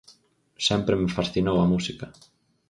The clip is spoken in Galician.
Sempre me fascinou a música.